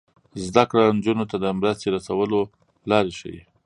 زده کړه نجونو ته د مرستې رسولو لارې ښيي.